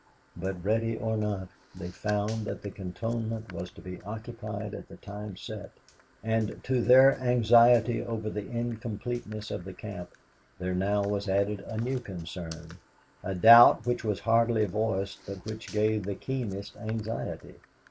But ready or not, they found that the cantonment was to be occupied at the time set, and to their anxiety over the incompleteness of the camp, there now was added a new concern a doubt which was hardly voiced but which gave the keenest anxiety.